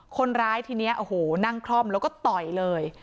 คนร้ายทีนี้โอ้โหนั่งคล่อมแล้วก็ต่อยเลย